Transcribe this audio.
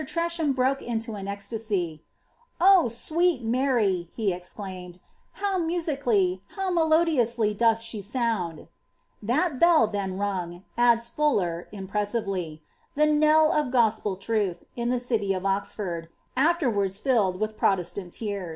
Treafattm broke into an eoilasy— >* Oh, awMt Mary~P he exclaimed,^ how mn8icaiiy, how melodioqaly doth ahe aouadP *^ That bell then rung," adda Fuller, impreaaiTely, «* the koell of goapd troth, in the city of Oxford, afterwank filled with ProCeatant team.